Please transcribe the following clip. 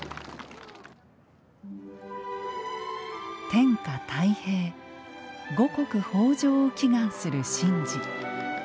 天下泰平、五穀豊じょうを祈願する神事。